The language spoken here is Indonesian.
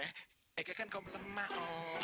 eike kan kau menemah om